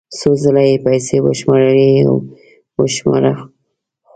څو ځله یې پیسې وشمارلې را یې وشماره خوښ شو.